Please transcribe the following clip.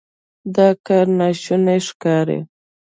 دا کار ناشونی ښکاري.